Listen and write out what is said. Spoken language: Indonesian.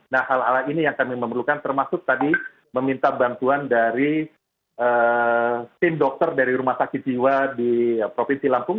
nah hal hal ini yang kami memerlukan termasuk tadi meminta bantuan dari tim dokter dari rumah sakit jiwa di provinsi lampung